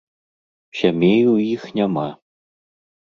Сямей у іх няма.